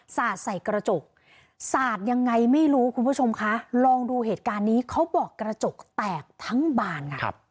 สาดใส่กระจกสาดยังไงไม่รู้คุณผู้ชมคะลองดูเหตุการณ์นี้เขาบอกกระจกแตกทั้งบานค่ะ